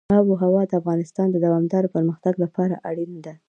آب وهوا د افغانستان د دوامداره پرمختګ لپاره اړینه ده.